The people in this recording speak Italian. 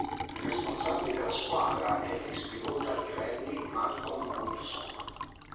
Il responsabile della squadra è l'ex pilota di rally Malcolm Wilson.